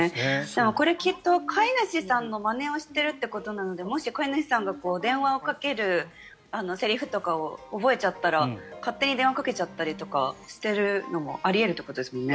これ、きっと飼い主さんのまねをしているということなのでもし飼い主さんが電話をかけるセリフとかを覚えちゃったら勝手に電話をかけちゃったりとかしてるのもあり得るってことですよね。